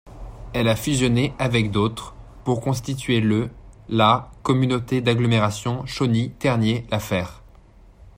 Elle a fusionné avec d'autres pour constituer le la Communauté d'agglomération Chauny-Tergnier-La Fère.